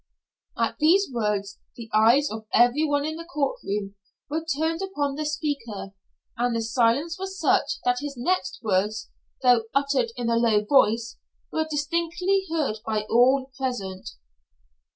At these words the eyes of every one in the court room were turned upon the speaker, and the silence was such that his next words, though uttered in a low voice, were distinctly heard by all present.